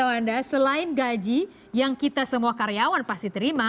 oke anda selain gaji yang kita semua karyawan pasti terima